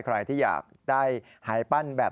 ใครที่อยากได้หายปั้นแบบ